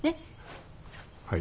はい。